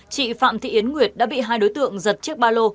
chị phạm thị yến nguyệt đã bị hai đối tượng giật chiếc ba lô